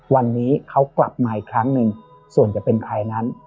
วันนี้เขากลับมาอีกครั้งหนึ่งส่วนจะเป็นใครนั้น